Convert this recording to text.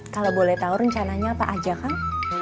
kalau boleh tahu rencananya apa saja kan